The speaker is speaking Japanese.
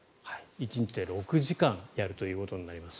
１日で６時間やるということになります。